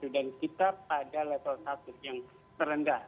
dan kita pada level satu yang terendah